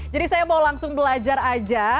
jadi saya mau langsung belajar aja